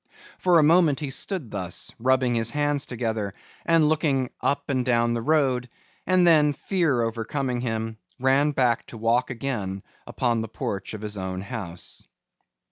For a moment he stood thus, rubbing his hands together and looking up and down the road, and then, fear overcoming him, ran back to walk again upon the porch on his own house.